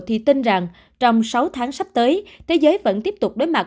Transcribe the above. thì tin rằng trong sáu tháng sắp tới thế giới vẫn tiếp tục đối mặt